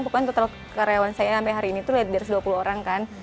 pokoknya total karyawan saya sampai hari ini tuh satu ratus dua puluh orang kan